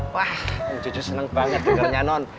wah om jojo seneng banget dengernya non